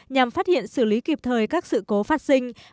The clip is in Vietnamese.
nhằm phát hiện xử lý kịp thời các sự cố phát sinh